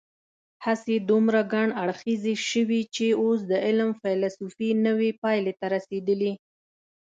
هڅې دومره ګڼ اړخیزې شوي چې اوس د علم فېلسوفي نوې پایلې ته رسېدلې.